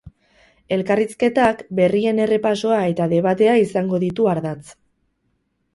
Elkarrizketak, berrien errepasoa eta debatea izango ditu ardatz.